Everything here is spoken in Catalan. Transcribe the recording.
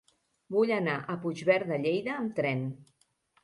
Vull anar a Puigverd de Lleida amb tren.